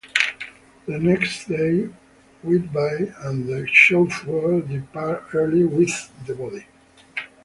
The next day, Whitby and the chauffeur depart early with the body.